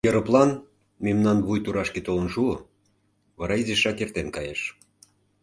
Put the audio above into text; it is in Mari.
Ероплан мемнан вуй турашке толын шуо, вара изишак эртен кайыш.